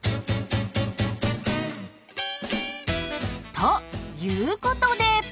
ということで！